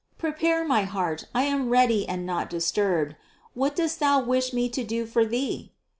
Prepared is my heart, I am ready and not disturbed; what dost Thou wish me to do for Thee?